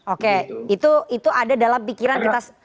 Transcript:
oke itu ada dalam pikiran kita